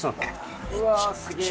うわすげぇ。